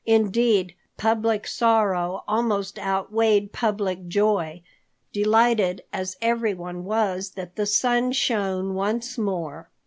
Indeed, public sorrow almost outweighed public joy, delighted as everyone was that the sun shone once more.